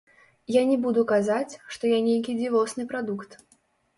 Я не буду казаць, што я нейкі дзівосны прадукт.